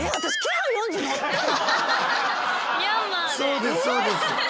そうですそうです。